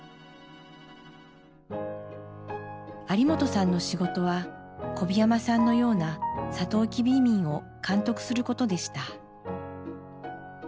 有元さんの仕事は小檜山さんのようなサトウキビ移民を監督することでした。